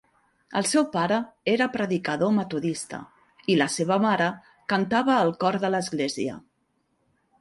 El seu pare era predicador metodista i la seva mare cantava al cor de l'església.